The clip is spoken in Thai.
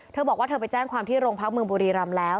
เธอบอกว่าเธอไปแจ้งความที่โรงพักเมืองบุรีรำแล้ว